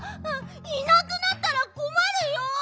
いなくなったらこまるよ！